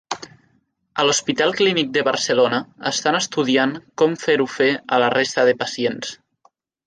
A l'hospital Clínic de Barcelona estan estudiant com fer-ho fer a la resta de pacients.